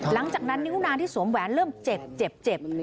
หลังจากนั้นนิ้วนางที่สวมแหวนเริ่มเจ็บเจ็บ